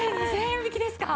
２０００円引きですか！